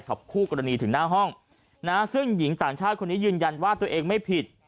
คู่กรณีถึงหน้าห้องนะซึ่งหญิงต่างชาติคนนี้ยืนยันว่าตัวเองไม่ผิด